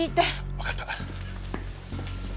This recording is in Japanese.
わかった。